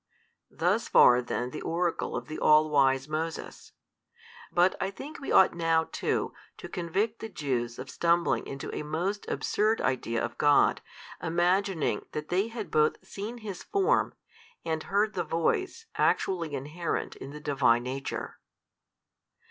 Thus far then the oracle of the all wise Moses: but I think we ought now too to convict the Jews of stumbling into a most absurd idea of God, imagining that they had both seen His Form, and heard the Voice actually inherent in the Divine Nature.